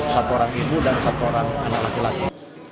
satu orang ibu dan satu orang anak laki laki